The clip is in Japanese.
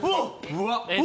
うわっ！